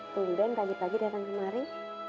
tumben pagi pagi datang kemari